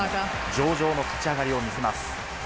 上々の立ち上がりを見せます。